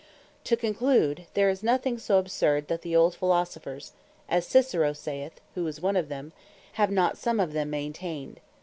To conclude there is nothing so absurd, that the old Philosophers (as Cicero saith, who was one of them) have not some of them maintained.